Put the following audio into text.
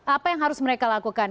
apa yang harus mereka lakukan